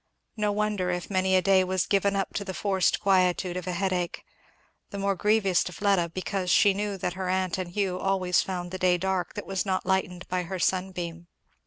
No wonder if many a day was given up to the forced quietude of a headache, the more grievous to Fleda because she knew that her aunt and Hugh always found the day dark that was not lightened by her sunbeam.